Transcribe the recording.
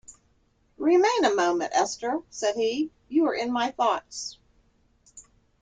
"Remain a moment, Esther," said he, "You were in my thoughts."